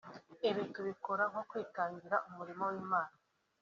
Ibi tubikora nko nkwitangira umurimo w’Imana